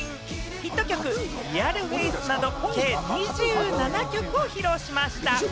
ヒット曲『ＲｅａｌＦａｃｅ』など計２７曲を披露しました。